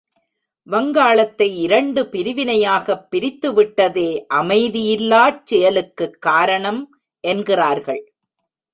வங்காளத்தை இரண்டு பிரிவினையாகப் பிரித்துவிட்டதே அமைதியில்லாச் செயலுக்குக் காரணம் என்கிறார்கள்.